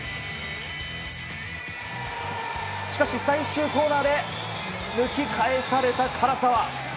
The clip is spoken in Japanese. しかし、最終コーナーで抜き返された唐澤。